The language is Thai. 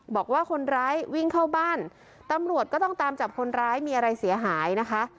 บอกว่าคนร้ายวิ่งเข้าบ้านตำรวจก็ต้องตามจับคนร้ายมีอะไรเสียหายนะคะ